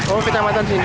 oh kecamatan sini